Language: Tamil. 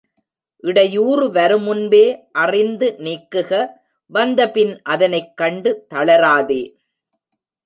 இடையூறு வருமுன்பே அறிந்து நீக்குக வந்தபின் அதனைக் கண்டு தளராதே.